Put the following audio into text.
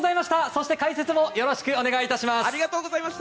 そして解説もよろしくお願いいたします！